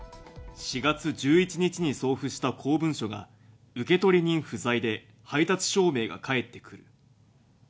４月１１日に送付した公文書が、受取人不在で配達証明が返ってくる。